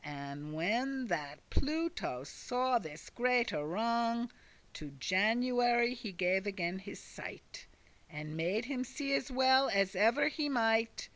* *rushed <31> And when that Pluto saw this greate wrong, To January he gave again his sight, And made him see as well as ever he might.